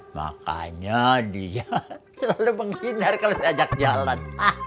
makanya dia selalu menghindar kalau saya ajak jalan